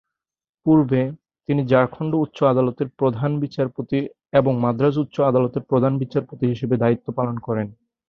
পূর্বে, তিনি ঝাড়খন্ড উচ্চ আদালত-এর প্রধান বিচারপতি এবং মাদ্রাজ উচ্চ আদালত-এর প্রধান বিচারপতি হিসেবে দায়িত্ব পালন করেন।